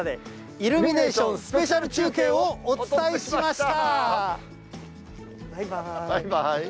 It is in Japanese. イルミネーションスペシャル中継をお伝えしました。